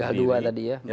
tinggal dua tadi ya